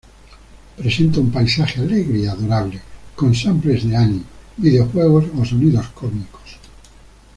Presenta un paisaje "alegre" y "adorable" con samples de anime, videojuegos, o sonidos cómicos.